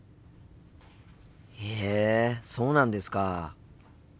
へえそうなんですか！